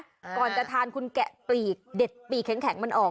ก่อนจะทานคุณแกะปลีกเด็ดปีกแข็งมันออก